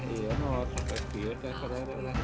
iya nolol sampai kebiasa